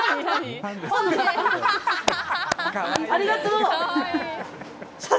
ありがとう！